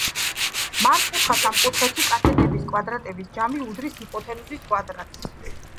მართკუთხა სამკუთხედში კათეტების კვადრატების ჯამი უდრის ჰიპოთენუზის კვადრატს.